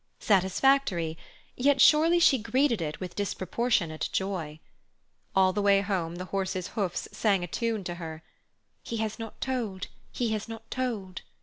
Satisfactory; yet surely she greeted it with disproportionate joy. All the way home the horses' hoofs sang a tune to her: "He has not told, he has not told."